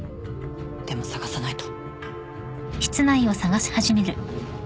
でも捜さないと